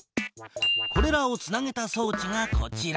これらをつなげたそうちがこちら。